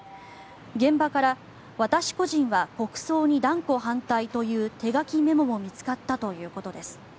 現場から私個人は国葬に断固反対という手書きメモも見つかったということです。